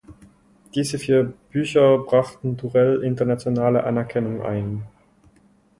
Diese vier Bücher brachten Durrell internationale Anerkennung ein.